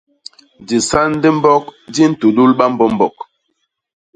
Disan di mbok di ntulul bambombok.